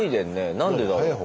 何でだろう。